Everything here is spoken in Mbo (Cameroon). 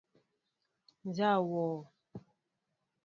Nzá wɔɔ ?